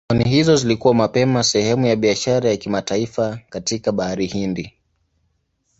Pwani hizo zilikuwa mapema sehemu ya biashara ya kimataifa katika Bahari Hindi.